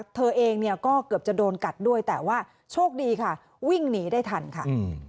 เธอเองเนี่ยก็เกือบจะโดนกัดด้วยแต่ว่าโชคดีค่ะวิ่งหนีได้ทันค่ะ